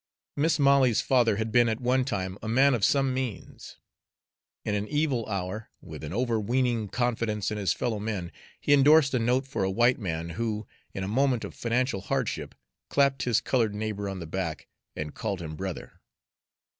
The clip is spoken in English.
Mis' Molly's father had been at one time a man of some means. In an evil hour, with an overweening confidence in his fellow men, he indorsed a note for a white man who, in a moment of financial hardship, clapped his colored neighbor on the back and called him brother.